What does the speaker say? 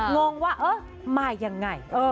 งงว่าเออมายังไง